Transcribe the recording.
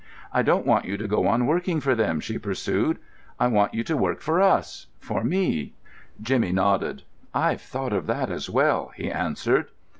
"I don't want you to go on working for them," she pursued; "I want you to work for us—for me." Jimmy nodded. "I've thought of that as well," he answered.